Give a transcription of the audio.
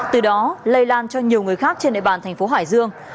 từ đó lây lan cho nhiều người khác trên nệ bàn tp hải dương